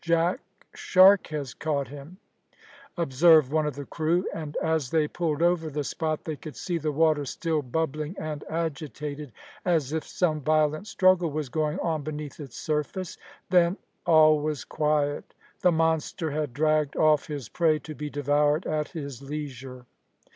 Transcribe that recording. "Jack shark has caught him," observed one of the crew, and as they pulled over the spot they could see the water still bubbling and agitated, as if some violent struggle was going on beneath its surface. Then all was quiet. The monster had dragged off his prey to be devoured at his leisure.